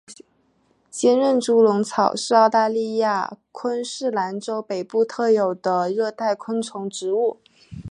坚韧猪笼草是澳大利亚昆士兰州北部特有的热带食虫植物。